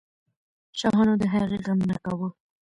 شاهانو د هغې غم نه کاوه.